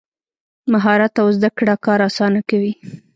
مهارت او زده کړه کار اسانه کوي.